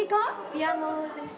ピアノです。